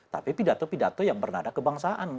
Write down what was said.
tapi pidato pidato yang bernada kebangsaan